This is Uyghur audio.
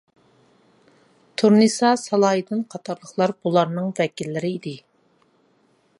تۇرنىسا سالاھىدىن قاتارلىقلار بۇلارنىڭ ۋەكىللىرى ئىدى.